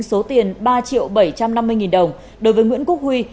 số tiền ba triệu bảy trăm năm mươi nghìn đồng đối với nguyễn quốc huy